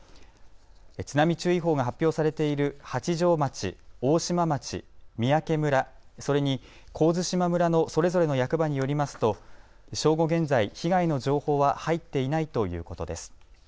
津波注意報が発表されている八丈町、大島町、三宅村、それに神津島村のそれぞれの役場によりますと正午現在、被害の情報は入っていないということです。